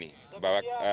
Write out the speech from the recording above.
supaya menjelaskan saja ini